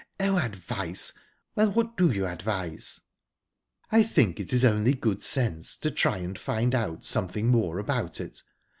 "Oh, advice!...Well, what do you advise?" "I think it is only good sense to try and find out something more about it.